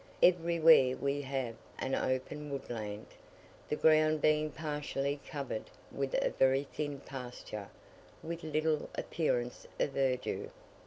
Everywhere we have an open woodland, the ground being partially covered with a very thin pasture, with little appearance of verdure.